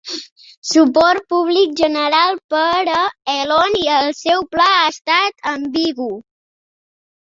Suport públic general per a Elon i el seu pla ha estat ambigu.